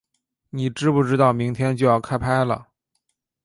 你知不知道明天就要开拍了